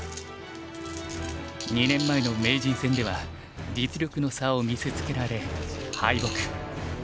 ２年前の名人戦では実力の差を見せつけられ敗北。